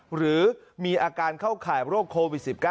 หรือมีอาการเข้าข่ายโรคโควิด๑๙